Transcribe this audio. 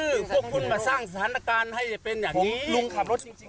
คือพวกคุณมาสร้างสถานการณ์ให้เป็นอย่างนี้ลุงขับรถจริงจริง